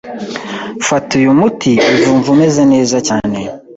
Fata uyu muti, uzumva umeze neza cyane